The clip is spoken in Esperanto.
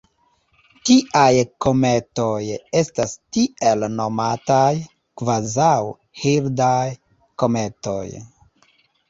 Tiaj kometoj estas tiel nomataj kvazaŭ-Hildaj kometoj.